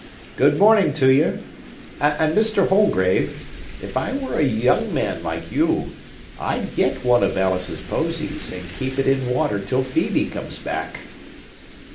Good morning to you! And, Mr. Holgrave, if I were a young man, like you, I'd get one of Alice's Posies, and keep it in water till Phœbe comes back."